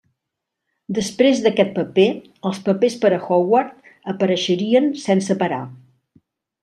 Després d'aquest paper, els papers per a Howard apareixerien sense parar.